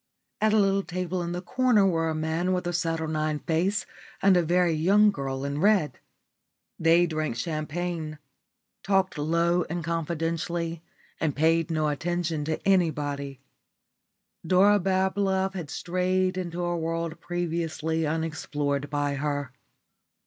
At a little table in the corner were a man with a saturnine face and a very young girl in red. They drank champagne, talked low and confidentially, and paid no attention to anybody. Dora Bablove had strayed into a world previously unexplored by her.